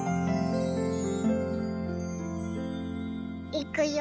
いくよ。